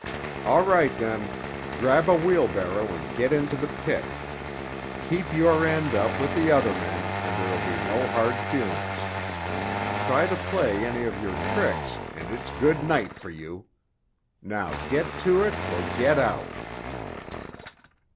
"All right, then; grab a wheelbarrow and get into the pit. Keep your end up with the other men and there'll be no hard feelings. Try to play any of your tricks, and it's good night for you. Now get to it, or get out."